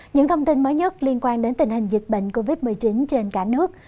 những thông tin mới nhất liên quan đến tình hình dịch bệnh covid một mươi chín trên cả nước